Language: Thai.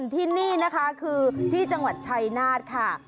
ที่นี่นะคะคือที่จังหวัดชัยนาธค่ะ